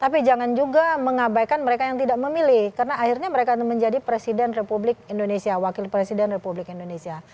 tapi jangan juga mengabaikan mereka yang tidak memilih karena akhirnya mereka menjadi presiden republik indonesia wakil presiden republik indonesia